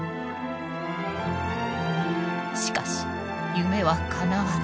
しかし夢はかなわず。